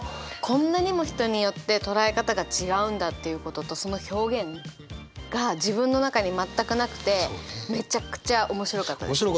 こんなにも人によって捉え方が違うんだっていうこととその表現が自分の中に全くなくて面白かったね。